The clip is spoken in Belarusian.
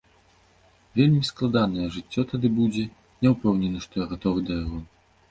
Вельмі складаная жыццё тады будзе, не ўпэўнены, што я гатовы да яго.